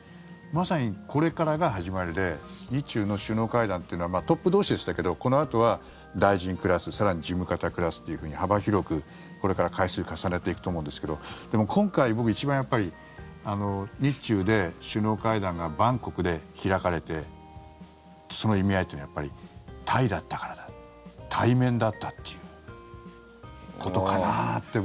まさにこれからが始まりで日中の首脳会談というのはトップ同士でしたけどこのあとは大臣クラス更に事務方クラスっていうふうに幅広くこれから回数を重ねていくと思うんですけどでも今回、僕、一番日中で首脳会談がバンコクで開かれてその意味合いというのはやっぱりタイだったからだタイ面だったっていうことかなって。